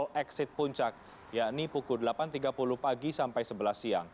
tol exit puncak yakni pukul delapan tiga puluh pagi sampai sebelas siang